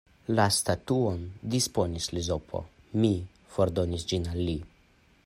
La statuon disponos Lizipo, mi fordonis ĝin al li.